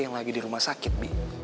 yang lagi di rumah sakit